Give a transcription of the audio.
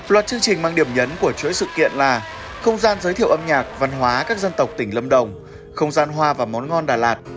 loạt chương trình mang điểm nhấn của chuỗi sự kiện là không gian giới thiệu âm nhạc văn hóa các dân tộc tỉnh lâm đồng không gian hoa và món ngon đà lạt